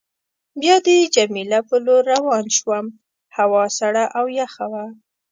بیا د جميله په لور روان شوم، هوا سړه او یخه وه.